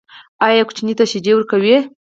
ایا ماشوم ته شیدې ورکوئ؟